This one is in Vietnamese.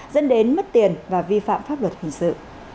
dẫn đến mất tiền và vi phạm pháp luật hình sự